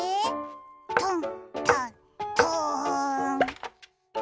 トントントーン。